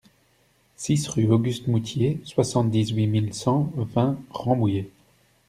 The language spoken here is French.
six rue Auguste Moutié, soixante-dix-huit mille cent vingt Rambouillet